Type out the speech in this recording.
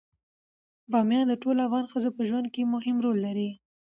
بامیان د ټولو افغان ښځو په ژوند کې مهم رول لري.